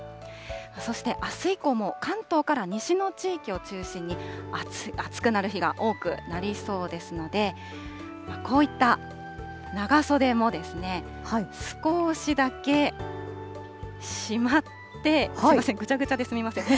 そしてあす以降も関東から西の地域を中心に、暑くなる日が多くなりそうですので、こういった長袖も、少しだけしまって、すみません、ぐちゃぐちゃですみません。